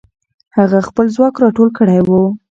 هغه خپل ځواک راټول کړی وو.